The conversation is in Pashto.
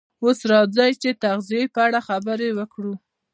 اوس راځئ چې د تغذیې په اړه خبرې وکړو